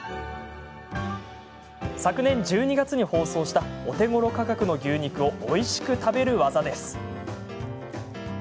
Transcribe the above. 昨年１２月に放送したお手ごろ価格の牛肉をおいしく食べるワザです。